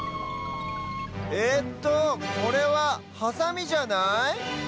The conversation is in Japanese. えっとこれはハサミじゃない？